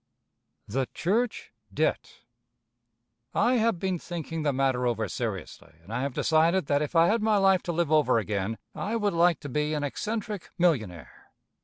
The Church Debt. I have been thinking the matter over seriously and I have decided that if I had my life to live over again, I would like to be an eccentric millionaire.